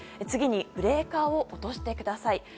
次に、ブレーカーを落としてください。